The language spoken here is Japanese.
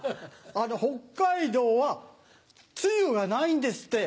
北海道は梅雨がないんですって。